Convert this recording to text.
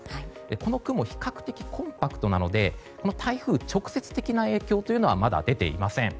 この雲、比較的コンパクトなのでこの台風の直接的な影響はまだ出ていません。